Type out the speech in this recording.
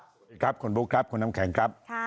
สวัสดีครับคุณบุ๊คครับคุณน้ำแข็งครับ